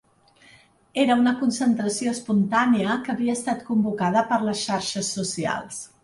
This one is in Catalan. Era una concentració espontània que havia estat convocada per les xarxes socials.